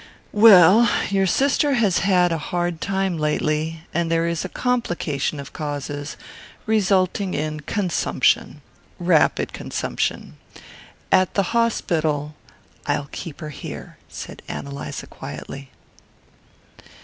Well, your sister has had a hard time lately, and there is a complication of causes, resulting in consumption rapid consumption. At the hospital " "I'll keep her here," said Ann Eliza quietly.